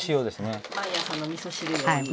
毎朝のみそ汁用。